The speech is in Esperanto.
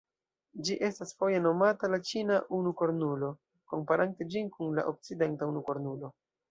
Ĝi estas foje nomata la "ĉina unukornulo", komparante ĝin kun la okcidenta unukornulo.